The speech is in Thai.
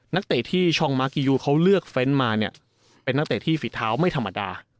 นักเตะที่ช่องเขาเลือกมาเนี่ยเป็นนักเตะที่ฝีดเท้าไม่ธรรมดา